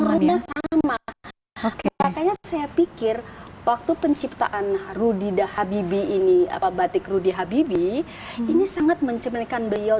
rupanya saya pikir waktu penciptaan rudi habib ini apa batik rudi habib ini sangat mencemelekan beliau